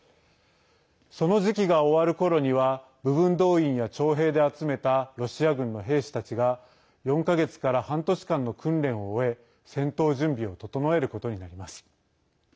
その時期が終わる頃には部分動員や徴兵で集めたロシア軍の兵士たちが４か月から半年間の訓練を終え戦闘準備を整えることになります。